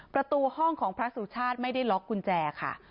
ประตูห้องของพระสุชาติไม่ได้ล็อกกุญแจค่ะ